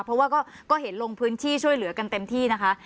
เพราะว่าก็เห็นลงพื้นที่ช่วยเหลือกันเต็มที่นะคะ